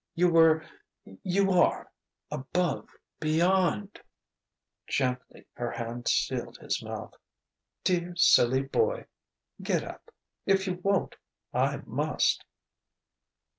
You were you are above, beyond " Gently her hand sealed his mouth. "Dear, silly boy! Get up. If you won't, I must."